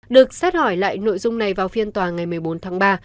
được xét hỏi lại nội dung này vào phiên tòa ngày một mươi bốn tháng ba